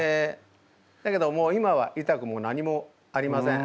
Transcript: だけど今はいたくも何もありません。